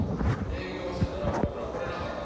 営業してたら僕ら来れなかったかも。